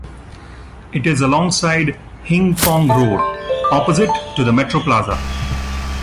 It is alongside Hing Fong Road, opposite to the Metroplaza.